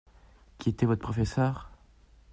Qui était votre professeur ?